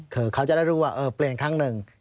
คือเขาจะได้รู้ว่าเปลี่ยนครั้งหนึ่ง